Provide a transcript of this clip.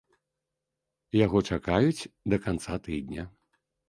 Яго чакаюць да канца тыдня.